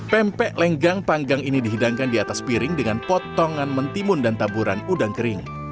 pempek lenggang panggang ini dihidangkan di atas piring dengan potongan mentimun dan taburan udang kering